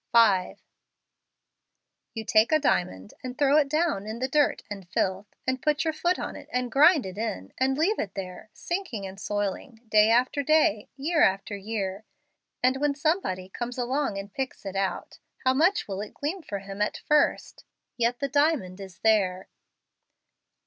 5. You take a diamond and throw it down in the dirt and filth, and put your foot on it and grind it in, and leave it there, sinking and soiling, day after day, year after year, and when somebody comes along and picks it out, how much will it gleam for Him at first ? Yet the diamond is there.